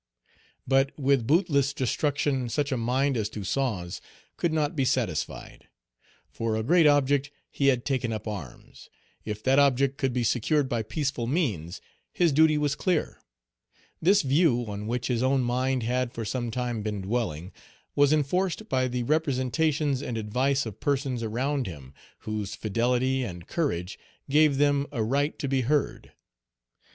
But with bootless destruction such a mind as Toussaint's could not be satisfied. For a great object he had taken up arms; if that object could be secured by peaceful means, his duty was clear. This view, on which his own mind had for some time been dwelling, was enforced by the representations and advice of persons around him, whose fidelity and courage gave them a right to be heard.